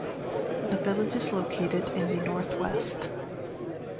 The village is located in the north-west.